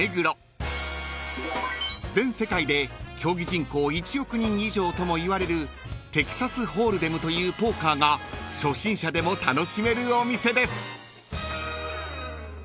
［全世界で競技人口１億人以上ともいわれるテキサスホールデムというポーカーが初心者でも楽しめるお店です］